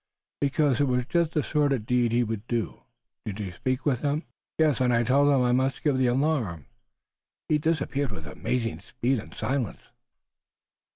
"Because it was just the sort of deed he would do. Did you speak with him?" "Yes, and I told him I must give the alarm. He disappeared with amazing speed and silence."